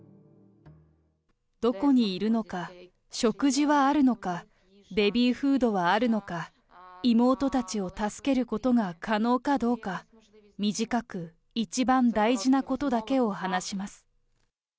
どこにいるのか、食事はあるのか、ベビーフードはあるのか、妹たちを助けることが可能かどうか、短く、一番大事なことだけを話します。